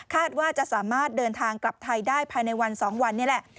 ว่าจะสามารถเดินทางกลับไทยได้ภายในวัน๒วันนี้แหละ